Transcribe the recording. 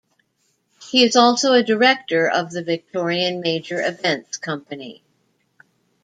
He is also a director at the Victorian Major Events Company.